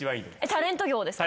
タレント業。